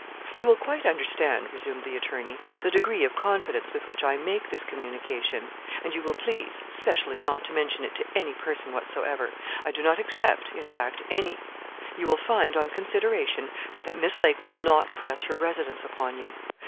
'You will quite understand,' resumed the attorney, 'the degree of confidence with which I make this communication; and you will please, specially not to mention it to any person whatsoever. I do not except, in fact, any. You will find, on consideration, that Miss Lake will not press her residence upon you.